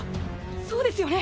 そうですよね？